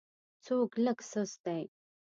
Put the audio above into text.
څوک لږ سست دی.